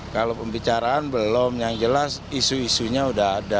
kalau pembicaraan belum yang jelas isu isunya sudah ada